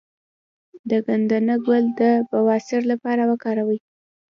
د ګندنه ګل د بواسیر لپاره وکاروئ